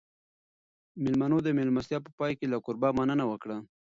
مېلمنو د مېلمستیا په پای کې له کوربه مننه وکړه.